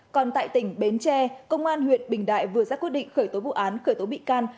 còn tại tỉnh bến tre công an huyện bình đại vừa ra quyết định khởi tố vụ án khởi tố bị can